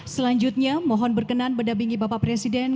selanjutnya mohon berkenan berdampingi bapak presiden